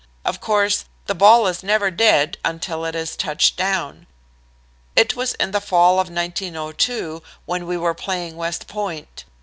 Of course, the ball is never dead until it is touched down. It was in the fall of 1902 when we were playing West Point.